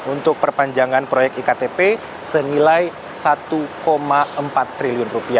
untuk perpanjangan proyek iktp senilai rp satu empat triliun